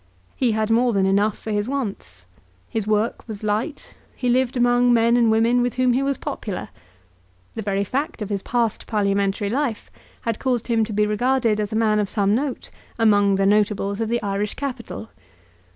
He had more than enough for his wants. His work was light; he lived among men and women with whom he was popular. The very fact of his past parliamentary life had caused him to be regarded as a man of some note among the notables of the Irish capital.